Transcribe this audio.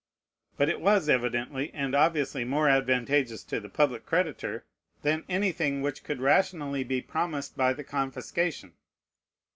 But it was evidently and obviously more advantageous to the public creditor than anything which could rationally be promised by the confiscation.